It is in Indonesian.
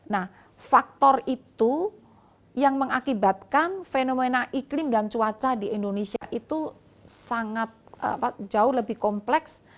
nah faktor itu yang mengakibatkan fenomena iklim dan cuaca di indonesia itu sangat jauh lebih kompleks